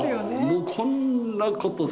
もうこんなこと。